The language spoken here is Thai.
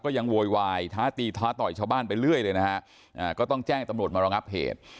ยังโวยวายท้าตีท้าต่อยชาวบ้านไปเรื่อยเลยนะฮะก็ต้องแจ้งตำรวจมารองับเหตุ